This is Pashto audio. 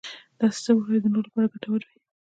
داسې څه وکړه چې د نورو لپاره ګټور وي .